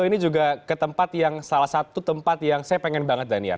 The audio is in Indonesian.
ini juga ke tempat yang salah satu tempat yang saya pengen banget dania